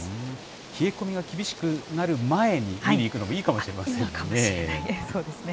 冷え込みが厳しくなる前に見に行くのもいいかもしれませんね。